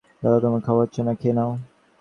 দাদা, তোমার খাওয়া হচ্ছে না, খেয়ে নাও।